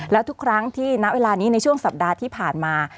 แล้วทุกครั้งที่ณเวลานี้ในช่วงสัปดาห์ที่ผ่านมา